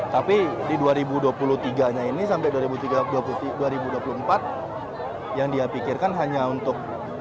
tapi di dua ribu dua puluh tiga nya ini sampai dua ribu dua puluh empat yang dia pikirkan hanya untuk